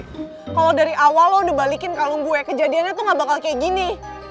kalau dari awal lo udah balikin kalung gue kejadiannya tuh gak bakal kayak gini